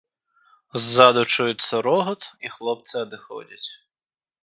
Ззаду чуецца рогат, і хлопцы адыходзяць.